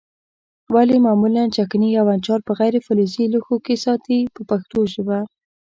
ولې معمولا چکني او اچار په غیر فلزي لوښو کې ساتي په پښتو ژبه.